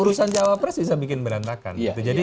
urusan jawab pres bisa bikin berantakan